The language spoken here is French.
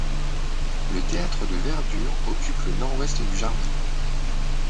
Le théâtre de verdure occupe le nord-ouest du jardin.